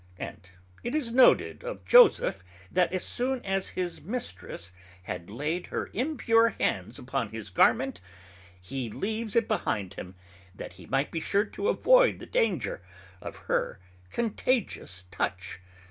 And it is noted of Joseph, that as soon as his Mistress had laid her impure hands upon his garment, he leaves it behinde him, that he might be sure to avoid the danger of her contagious touch.